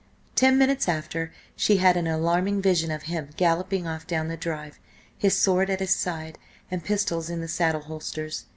Ten minutes after, she had an alarming vision of him galloping off down the drive, his sword at his side and pistols in the saddle holsters.